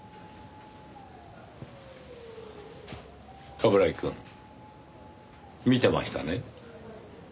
冠城くん見てましたね？